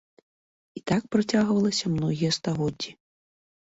І так працягвалася многія стагоддзі.